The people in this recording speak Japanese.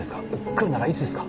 来るならいつですか？